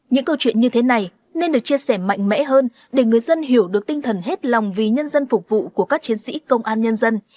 những câu chuyện như thế này nên được chia sẻ mạnh mẽ hơn để người dân hiểu được tinh thần hết lòng vì nhân dân phục vụ của các chiến sĩ công an nhân dân